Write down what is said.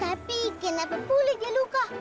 tapi kenapa pulih dia luka